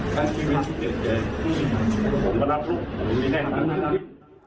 ค่ะ